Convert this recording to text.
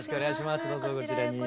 どうぞこちらに。